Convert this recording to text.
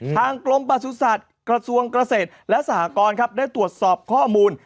ทางกรมประสุทธิ์กระทรวงเกษตรและสหกรครับได้ตรวจสอบข้อมูล